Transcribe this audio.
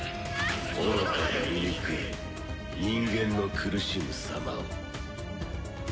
愚かで醜い人間の苦しむ様を。